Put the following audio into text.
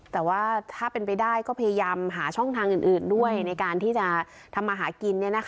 แต่ว่าถ้าเป็นไปได้ก็พยายามหาช่องทางอื่นด้วยในการที่จะทำมาหากิน